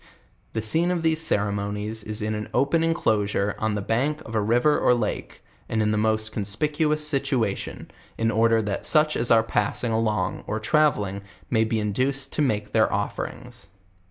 The scene of these ceremonies is in an open enclosure on the bank of a river or lake, and in the most conspicuous situation, in order that such as are passing along or travelling, may be induced to make their oiferings.